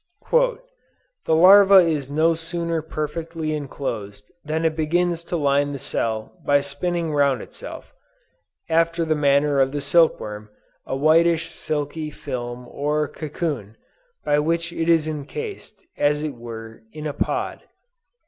"The larva is no sooner perfectly inclosed than it begins to line the cell by spinning round itself, after the manner of the silk worm, a whitish silky film or cocoon, by which it is encased, as it were, in a pod.